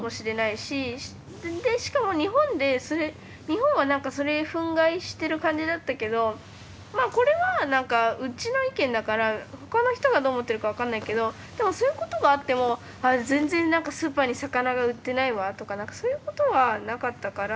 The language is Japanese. でしかも日本で日本は何かそれ憤慨してる感じだったけどまあこれは何かうちの意見だから他の人がどう思ってるか分かんないけどでもそういうことがあっても全然何かスーパーに魚が売ってないわとか何かそういうことはなかったから。